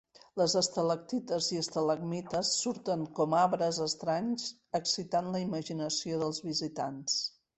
Les estalactites i estalagmites surten com arbres estranys, excitant la imaginació dels visitants.